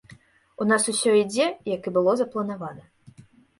У нас усё ідзе, як і было запланавана.